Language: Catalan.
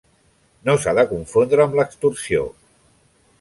No s'ha de confondre amb l'extorsió.